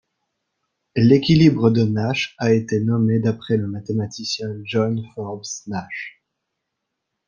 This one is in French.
L'équilibre de Nash a été nommé d'après le mathématicien John Forbes Nash.